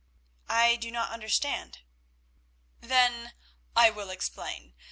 "I do not understand." "Then I will explain.